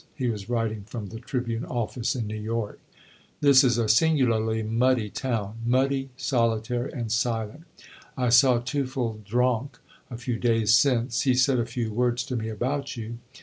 [He was writing from the Tribune Office, in New York.] "This is a singularly muddy town; muddy, solitary, and silent. I saw Teufelsdröckh a few days since; he said a few words to me about you.